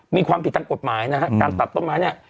มีความผิดทางกฎหมายนะครับการตัดต้นกระถิ่งป่าเนี่ย